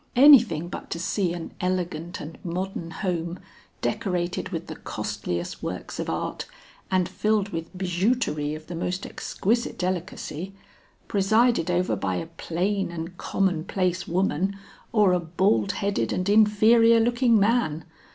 Anything but to see an elegant and modern home, decorated with the costliest works of art, and filled with bijouterie of the most exquisite delicacy, presided over by a plain and common place woman or a bald headed and inferior looking man.